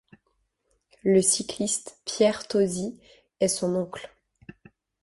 Le cycliste Pierre Tosi est son oncle.